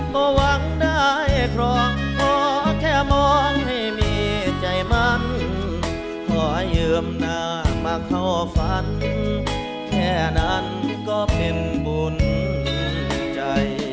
ก็หวังได้ครองขอแค่มองให้มีใจมันขอให้เยิ้มหน้ามาเข้าฝันแค่นั้นก็เป็นบุญใจ